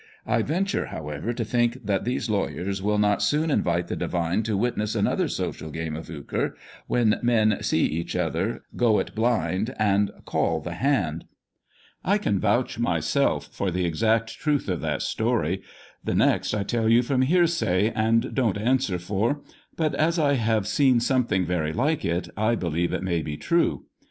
I venture, however, to think that these lawyers will not soon invite the divine to witness another social game of eucre, when men "see" each other, "go it blind," and " call" the hand. I can vouch myself for the exact truth of that story ; the next T tell from hearsay, and don't answer for, but as I have seen something very like it, I believe it may be true.